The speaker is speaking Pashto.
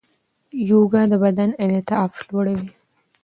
یوګا د بدن انعطاف لوړوي.